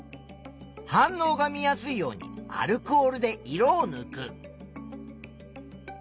反応が見やすいようにアルコールで色をぬく。